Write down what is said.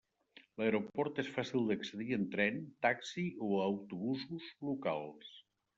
L'aeroport és fàcil d'accedir en tren, taxi o autobusos locals.